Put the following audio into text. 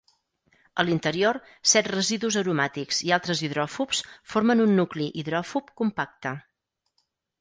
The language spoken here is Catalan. A l'interior, set residus aromàtics i altres hidròfobs formen un nucli hidròfob compacte.